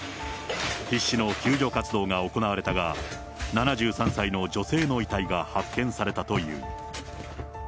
必死の救助活動が行われたが、７３歳の女性の遺体が発見されたという。